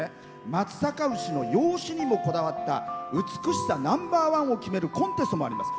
「松阪牛」の容姿にもこだわった美しさナンバーワンを決めるコンテストもあります。